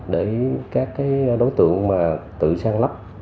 để các đối tượng mà tự sang lấp